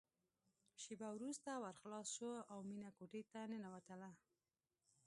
شېبه وروسته ور خلاص شو او مينه کوټې ته ننوتله